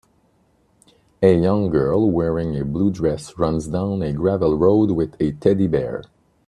A young girl wearing a blue dress runs down a gravel road with a teddy bear.